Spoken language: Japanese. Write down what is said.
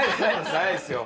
ないですよ。